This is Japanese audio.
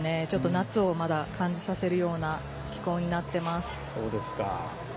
夏をまだ感じさせるような気候になっています。